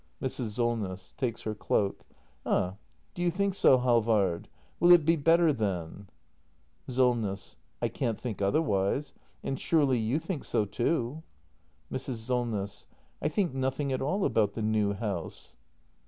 Mrs. Solness. [Takes her cloak.] Ah, do you think so, Halvard ? Will it be better then ? Solness. I can't think otherwise. And surely you think so too ? Mrs. Solness. I think nothing at all about the new house.